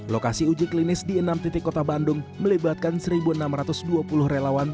lokasi uji klinis di enam titik kota bandung melibatkan satu enam ratus dua puluh relawan